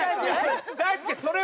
大輔それは違う！